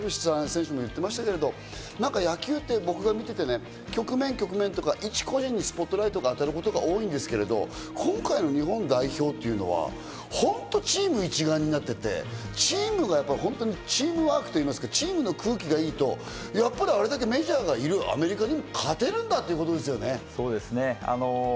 今回のチームはダルビッシュさん、ダルビッシュ選手も言ってましたけど野球って僕が見ててね、局面・局面とか、いち個人にスポットライトが当たることが多いんですけど、今回の日本代表というのは本当にチーム一丸となっていて、チームがやっぱりチームワークといいますか、チームの空気がいいと、やっぱりあれだけメジャーがいる、アメリカでも勝てるんだということですね。